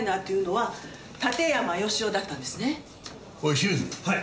はい。